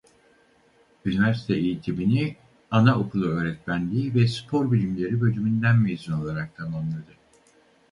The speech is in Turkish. Üniversite eğitimini Anaokulu Öğretmenliği ve Spor Bilimleri Bölümünden mezun olarak tamamladı.